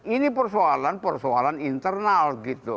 ini persoalan persoalan internal